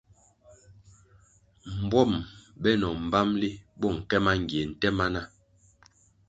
Mbuom benoh mbpamli bo nke mangie nte mana.